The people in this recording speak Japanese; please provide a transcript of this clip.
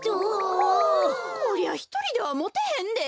こりゃひとりではもてへんで。